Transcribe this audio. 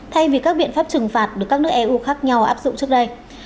thay vì các biện pháp trừng phạt được các nước eu khác nhau áp dụng trước đây